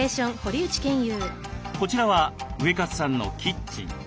こちらはウエカツさんのキッチン。